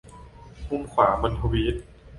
มุมขวาบนทวีต